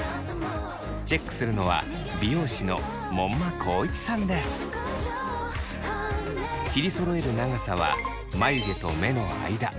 チェックするのは切りそろえる長さは眉毛と目の間。